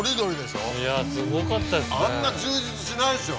すごかったですね。